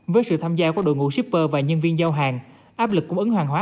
với sự tham gia của đội ngũ shipper và nhân viên giao hàng áp lực của ứng hoàng hóa